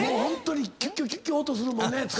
キュッキュキュッキュ音するもんね。